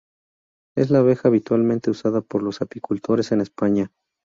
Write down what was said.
Es la abeja habitualmente usada por los apicultores en España.